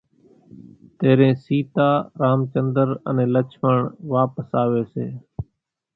تيرين سيتا، رامچندر انين لڇمڻ واپس آوي سي